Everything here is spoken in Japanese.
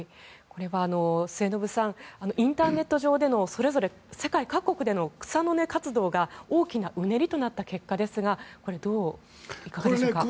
末延さんインターネット上でのそれぞれ世界各国での草の根活動が大きなうねりとなった結果ですがいかがでしょうか？